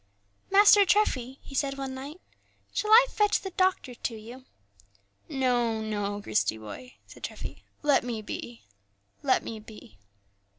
"Master Treffy," he said one night, "shall I fetch the doctor to you?" "No, no, Christie, boy," said Treffy; "let me be, let me be."